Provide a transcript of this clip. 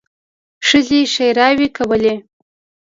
ښځې ښېراوې کولې.